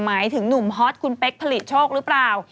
หมายถึงหนุ่มฮอตคุณเป๊กผลิตโชคหรือเปล่า